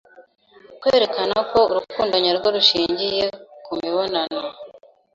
kwerekana ko urukundo nyarwo rushingiye ku mibonano